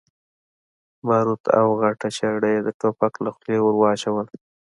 باروت او غټه چره يې د ټوپک له خولې ور واچوله.